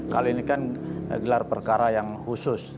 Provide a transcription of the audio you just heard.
kali ini kan gelar perkara yang khusus